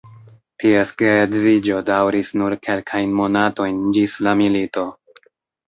Ties geedziĝo daŭris nur kelkajn monatojn ĝis la milito.